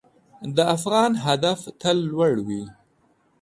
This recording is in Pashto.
د افغان هدف تل لوړ وي.